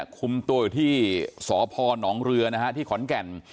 คุมตัวอยู่ที่สพหนองเรือที่ขอนแก่น